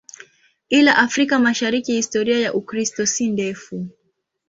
Ila Afrika Mashariki historia ya Ukristo si ndefu.